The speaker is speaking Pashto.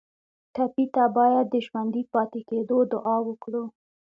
ټپي ته باید د ژوندي پاتې کېدو دعا وکړو.